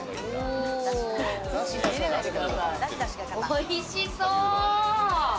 おいしそう。